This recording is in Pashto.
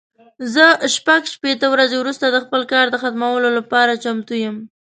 زه شپږ شپېته ورځې وروسته د خپل کار د ختمولو لپاره چمتو یم.